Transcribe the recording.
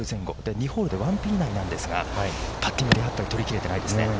２ホールでワンピンないなんですがパッティングで取り切れてないですね。